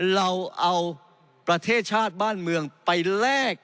เราเอาประเทศชาติบ้านเมืองไปแลก